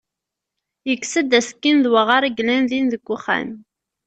Yekkes-d asekkin d waɣer i yellan din deg uxxam.